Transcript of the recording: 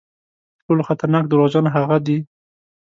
تر ټولو خطرناک دروغجن هغه دي.